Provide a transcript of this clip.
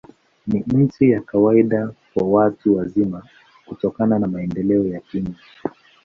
Ni chini ya kawaida kwa watu wazima, kutokana na maendeleo ya kinga.